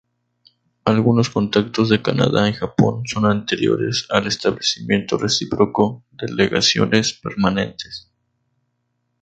Algunos contactos de Canadá y Japón son anteriores al establecimiento recíproco de legaciones permanentes.